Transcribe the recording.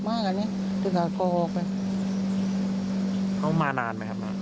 ไม่นาน